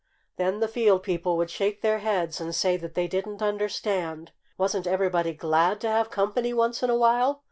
Then the field people would shake their heads and say that they didn't understand. Wasn't everybody glad to have company once in a while?